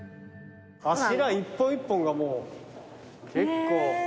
柱一本一本がもう結構。